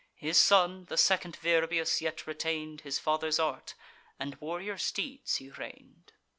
His son, the second Virbius, yet retain'd His father's art, and warrior steeds he rein'd.